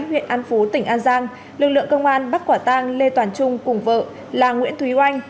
huyện an phú tỉnh an giang lực lượng công an bắt quả tang lê toàn trung cùng vợ là nguyễn thúy oanh